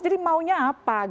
jadi maunya apa